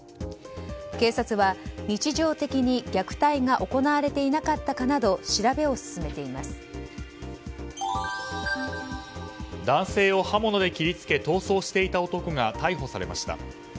警察は日常的に虐待が行われていなかったかなど男性を刃物で切り付け逃走していた男が逮捕されました。